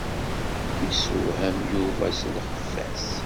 Yessewham Yuba s lxeffa-s.